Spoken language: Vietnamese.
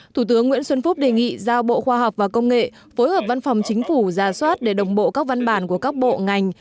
thủ tướng nguyễn xuân phúc đề nghị giao bộ khoa học và công nghệ phối hợp văn phòng chính phủ ra soát để đồng bộ các văn bản của các bộ ngành